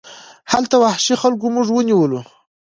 هلته وحشي خلکو موږ ونیولو.